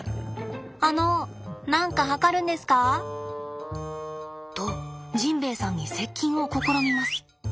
あの何か測るんですか？とジンベエさんに接近を試みます。